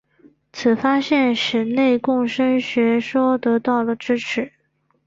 此发现使内共生学说得到了支持。